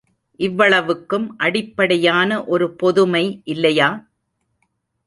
இவ்வளவுக்கும் அடிப்படையான ஒரு பொதுமை இல்லையா?